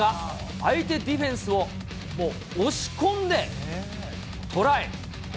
相手ディフェンスをもう押し込んでトライ。